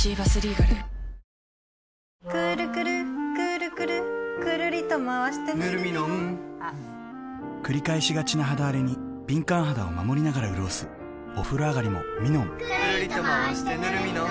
くるくるくるくるぬるミノンくるりとまわしてぬるミノン繰り返しがちな肌あれに敏感肌を守りながらうるおすお風呂あがりもミノンくるりとまわしてぬるミノン